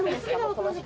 この時季。